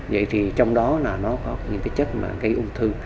vậy thì trong đó là nó có những cái chất mà gây ung thư